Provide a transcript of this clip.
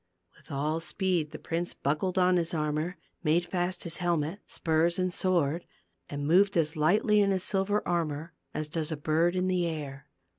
With all speed the prince buckled on his ar mor, made fast his helmet, spurs and sword, and moved as lightly in his silver armor as does a bird in the air.